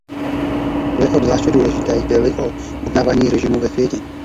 To je obzvláště důležité, jde-li o uznávání režimů ve světě.